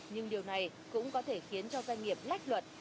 nhưng điều này cũng có thể khiến cho doanh nghiệp lách luật